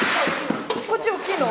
こっち大きいの？